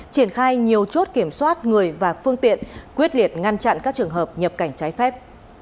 triển khai nhiều chốt kiểm soát người và phương tiện quyết liệt ngăn chặn các trường hợp nhập cảnh trái phép